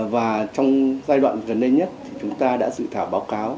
và trong giai đoạn gần đây nhất chúng ta đã dự thảo báo cáo